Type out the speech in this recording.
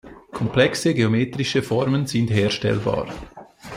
Komplexe geometrische Formen sind herstellbar.